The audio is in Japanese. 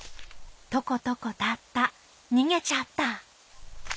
とことこたったっにげちゃった。